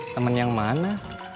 temennya yang mana